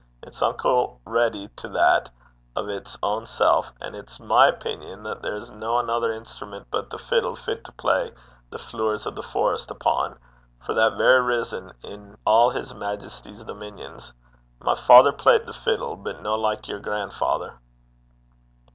It's unco ready to that o' 'ts ain sel'; an' it's my opingon that there's no anither instrument but the fiddle fit to play the Flooers o' the Forest upo', for that very rizzon, in a' his Maijesty's dominions. My father playt the fiddle, but no like your gran'father.'